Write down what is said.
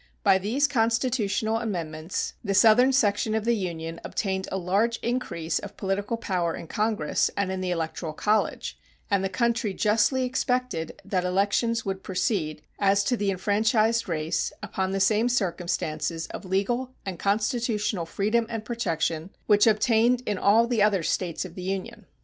By these constitutional amendments the southern section of the Union obtained a large increase of political power in Congress and in the electoral college, and the country justly expected that elections would proceed, as to the enfranchised race, upon the same circumstances of legal and constitutional freedom and protection which obtained in all the other States of the Union.